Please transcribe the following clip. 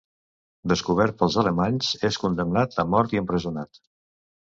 Descobert pels alemanys és condemnat a mort i empresonat.